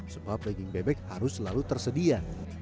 sebab daging bebek harus selalu tersedia